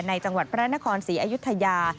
จังหวัดพระนครศรีอยุธยา